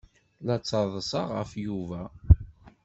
La ttaḍsaɣ ɣef Yuba.